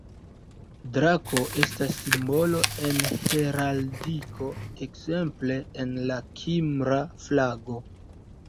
Drako estas simbolo en Heraldiko, ekzemple en la Kimra flago.